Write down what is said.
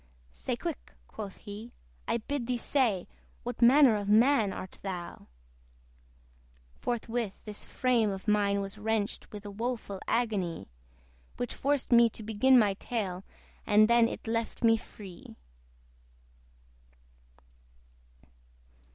"Say quick," quoth he, "I bid thee say What manner of man art thou?" Forthwith this frame of mine was wrenched With a woeful agony, Which forced me to begin my tale; And then it left me free.